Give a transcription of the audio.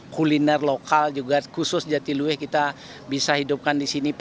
kuliner lokal juga khusus jatiluwe kita bisa hidupkan di sini